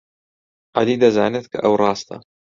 عەلی دەزانێت کە ئەو ڕاستە.